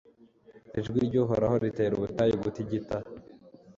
Ijwi ry’Uhoraho ritera ubutayu gutigita